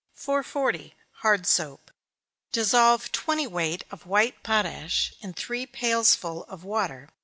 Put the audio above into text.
440. Hard Soap. Dissolve twenty weight of white potash in three pailsful of water.